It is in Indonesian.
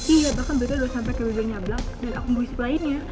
iya bahkan beliau sudah sampai ke hujungnya ablak dan aku buis lainnya